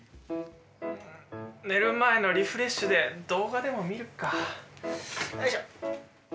寝る前のリフレッシュで動画でも見るか、よいしょ。